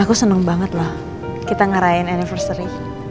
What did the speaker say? aku seneng banget loh kita ngarahin anniversary